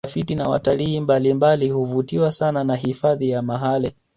Watafiti na watalii mbalimbali huvutiwa sana na hifadhi ya mahale